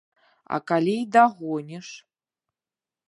А калі і дагоніш?